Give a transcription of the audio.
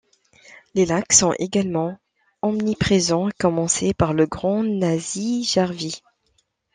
Les lacs sont également omniprésents, à commencer par le grand Näsijärvi.